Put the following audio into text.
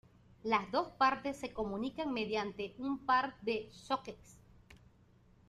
Las dos partes se comunican mediante un par de "sockets".